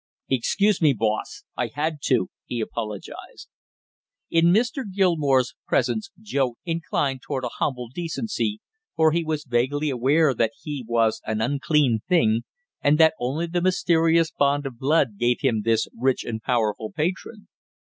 "Excuse me, boss, I had to!" he apologized. In Mr. Gilmore's presence Joe inclined toward a humble decency, for he was vaguely aware that he was an unclean thing, and that only the mysterious bond of blood gave him this rich and powerful patron.